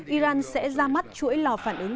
iran sẽ ra mắt chuỗi lò phản ứng